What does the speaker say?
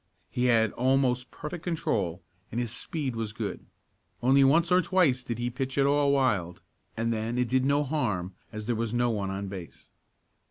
He had almost perfect control, and his speed was good. Only once or twice did he pitch at all wild and then it did no harm as there was no one on base.